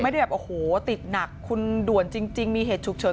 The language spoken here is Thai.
ไม่ได้แบบโอ้โหติดหนักคุณด่วนจริงมีเหตุฉุกเฉิน